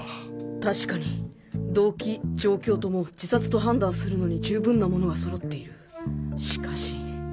たしかに動機状況とも自殺と判断するのに十分なものはそろっているしかし